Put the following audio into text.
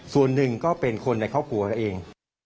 ส่วนหนึ่งก็เป็นคนในครอบครัวเราเอง